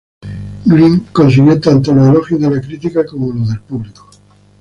Greene consiguió tanto los elogios de la crítica como los del público.